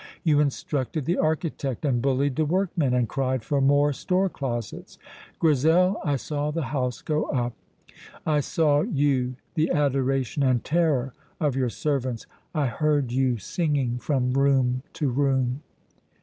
You instructed the architect, and bullied the workmen, and cried for more store closets. Grizel, I saw the house go up; I saw you the adoration and terror of your servants; I heard you singing from room to room."